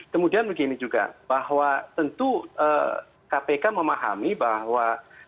kemudian begini juga bahwa tentu kpk memahami bahwa